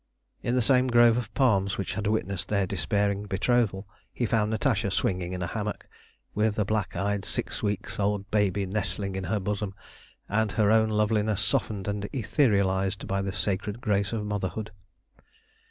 In the same grove of palms which had witnessed their despairing betrothal he found Natasha swinging in a hammock, with a black eyed six weeks' old baby nestling in her bosom, and her own loveliness softened and etherealised by the sacred grace of motherhood.